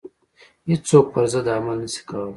هیڅوک پر ضد عمل نه شي کولای.